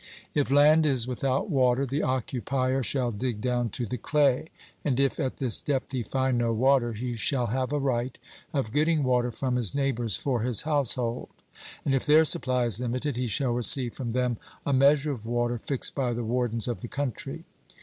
If land is without water the occupier shall dig down to the clay, and if at this depth he find no water, he shall have a right of getting water from his neighbours for his household; and if their supply is limited, he shall receive from them a measure of water fixed by the wardens of the country.